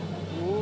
お！